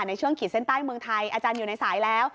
ในช่วงขีดเส้นใต้เมืองไทยอาจารย์อยู่ในสายแล้ว